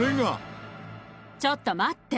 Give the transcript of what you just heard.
ちょっと待って！